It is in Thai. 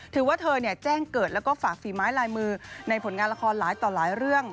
ถือว่าเธอแจ้งเกิดแล้วก็ฝากฝีไม้ลายมือในผลงานละครหลายต่อหลายเรื่อง